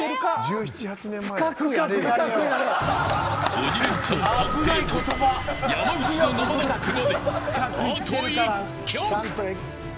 鬼レンチャン達成と山内の生ラップまで、あと１曲。